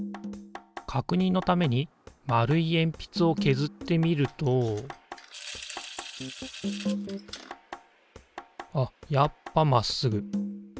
かくにんのために丸いえんぴつをけずってみるとあっやっぱまっすぐ。